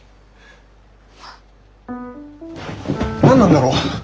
何なんだろう